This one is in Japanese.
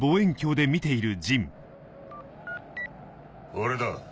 俺だ